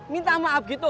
minta maaf gitu